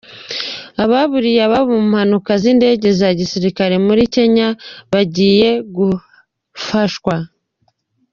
Ababuriye ababo mu mpanuka z’indege za gisirikare muri Kenya bagiye gufashwa